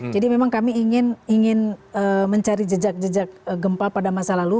jadi memang kami ingin mencari jejak jejak gempa pada masa lalu